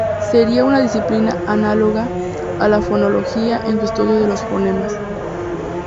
Sería una disciplina análoga a la fonología en su estudio de los fonemas.